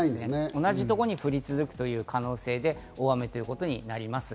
同じところに降り続くという可能性で、大雨ということになります。